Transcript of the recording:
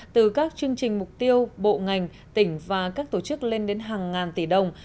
từ các chương trình mục tiêu bộ ngành tỉnh và các tổ chức lên đến hàng ngàn tỷ đồng